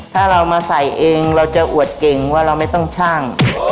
ถ้าเรามาใส่เองเราจะอวดเก่งว่าเราไม่ต้องชั่ง